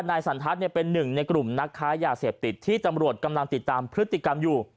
นายสันทัศน์เป็นหนึ่งในกลุ่มนักค้ายาเสพติดที่ตำรวจกำลังติดตามพฤติกรรมอยู่